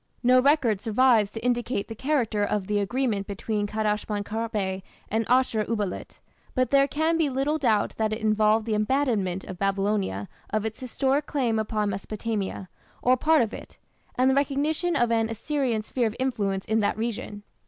No record survives to indicate the character of the agreement between Kadashman Kharbe and Ashur uballit, but there can be little doubt that it involved the abandonment by Babylonia of its historic claim upon Mesopotamia, or part of it, and the recognition of an Assyrian sphere of influence in that region.